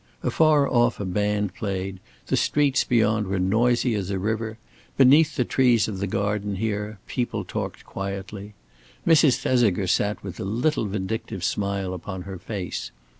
Afar off a band played; the streets beyond were noisy as a river; beneath the trees of the garden here people talked quietly. Mrs. Thesiger sat with a little vindictive smile upon her face.